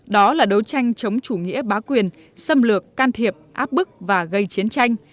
đó là đấu tranh chống chủ nghĩa bá quyền xâm lược can thiệp áp bức và gây chiến tranh